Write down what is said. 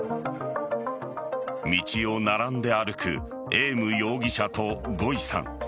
道を並んで歩くエーム容疑者とゴイさん。